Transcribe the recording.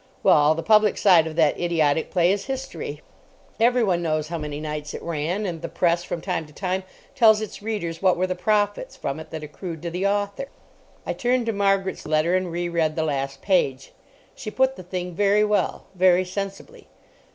Well, the public side of that idiotic play is history. Everyone knows how many nights it ran, and the Press from time to time tells its readers what were the profits from it that accrued to the author. I turned to Margaret's letter and re read the last page. She put the thing very well, very sensibly.